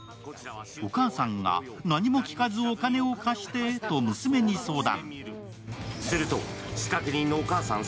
お母さんが「何も聞かずお金を貸して」と娘に相談。